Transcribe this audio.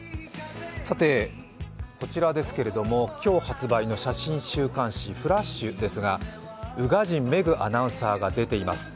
さて、こちらですけれども、今日発売の写真週刊誌「ＦＬＡＳＨ」ですが宇賀神メグアナウンサーが出ています。